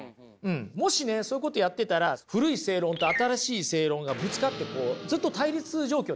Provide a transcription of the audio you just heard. もしねそういうことやってたら古い正論と新しい正論がぶつかってずっと対立状況になりますよね。